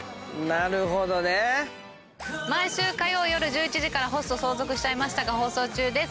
なるほどね！毎週火曜夜１１時から『ホスト相続しちゃいました』が放送中です。